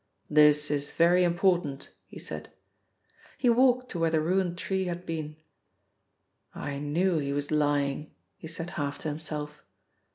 "This is very important," he said. He walked to where the ruined tree had been. "I knew he was lying," he said half to himself.